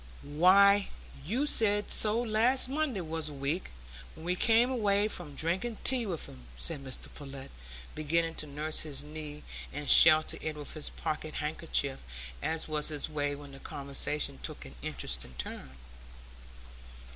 "Why, you said so last Monday was a week, when we came away from drinking tea with 'em," said Mr Pullet, beginning to nurse his knee and shelter it with his pocket handkerchief, as was his way when the conversation took an interesting turn.